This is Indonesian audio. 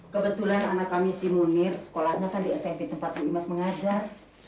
kebetulan anak kami si munir sekolahnya kan di smp tempat bu imas mengajar